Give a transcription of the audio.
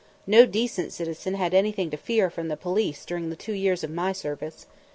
No decent citizen had anything to fear from the police during the two years of my service.